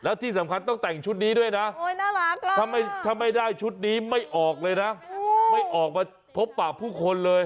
แล้วที่สำคัญต้องแต่งชุดนี้ด้วยนะถ้าไม่ได้ชุดนี้ไม่ออกเลยนะไม่ออกมาพบปากผู้คนเลย